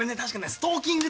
ストーキング。